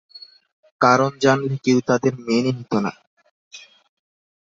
কারণ জানলে কেউ তাদের মেনে নিতো না।